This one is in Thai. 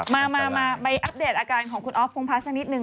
มาอัพเดตอาการของอภท์พงภาสนิดหนึ่ง